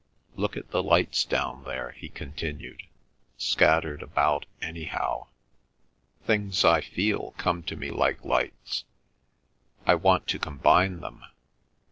—Look at the lights down there," he continued, "scattered about anyhow. Things I feel come to me like lights. ... I want to combine them. ..